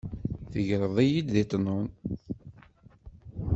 Tegreḍ-iyi deg ṭnun.